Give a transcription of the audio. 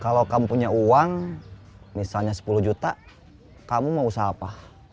kalau kamu punya uang misalnya sepuluh juta kamu mau usaha apa